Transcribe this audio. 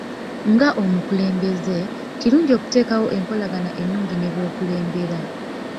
Nga omukulembeze, kirungi okuteekawo enkolagana ennungi ne b'okulembera.